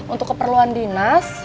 untuk keperluan dinas